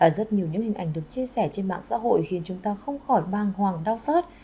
rất nhiều những hình ảnh được chia sẻ trên mạng xã hội khiến chúng ta không khỏi bang hoàng đau xót